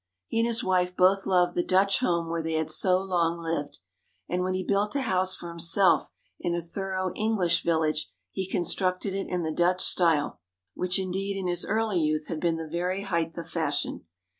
He and his wife both loved the Dutch home where they had so long lived, and when he built a house for himself in a thorough English village, he constructed it in the Dutch style, which indeed in his early youth had been the very height of fashion.